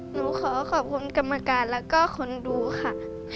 หนูขอขอบคุณกรรมการแล้วก็คนดูค่ะ